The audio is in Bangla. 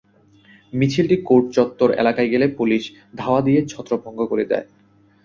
মিছিলটি কোর্ট চত্বর এলাকায় গেলে পুলিশ ধাওয়া দিয়ে ছত্রভঙ্গ করে দেয়।